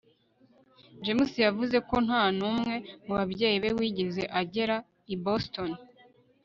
james yavuze ko nta n'umwe mu babyeyi be wigeze agera i boston